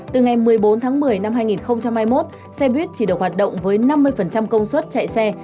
từ ngày một mươi bốn tháng một mươi năm hai nghìn hai mươi một xe buýt chỉ được hoạt động với năm mươi công suất chạy xe